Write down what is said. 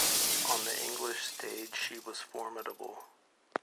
On the English stage she was formidable.